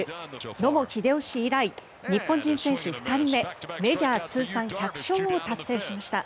野茂英雄氏以来日本人選手２人目メジャー通算１０勝を達成しました。